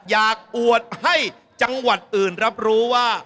อวดให้จังหวัดอื่นรับรู้ว่า